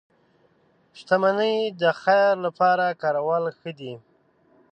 • شتمني د خیر لپاره کارول ښه دي.